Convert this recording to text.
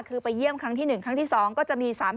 คือไปเยี่ยมครั้งที่๑ครั้งที่๒ก็จะมี๓๐